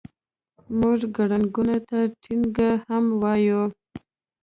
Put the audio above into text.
موږ ګړنګو ته ټنګه هم وایو.